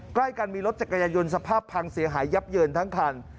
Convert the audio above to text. ใกล้กันมีรถจักรยายนต์สภาพพังเสียหายยับเยินทั้งคัน